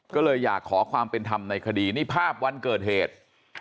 ก็เลยอยากขอความเป็นธรรมในคดีนี่ภาพวันเกิดเหตุ